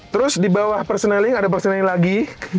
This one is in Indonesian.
terus di bawah personaling ada personaling lagi